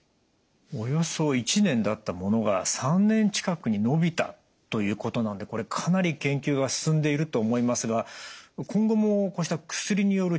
およそ１年だったものが３年近くに延びたということなんでかなり研究が進んでいると思いますが今後もこうした薬による治療の効果上がってきそうなんですか？